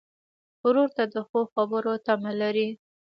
ورور ته د ښو خبرو تمه لرې.